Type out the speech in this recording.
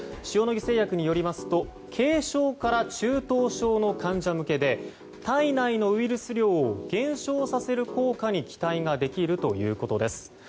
塩野義製薬によりますと軽症から中等症の患者向けで、体内のウイルス量を減少させる効果に期待ができるということです。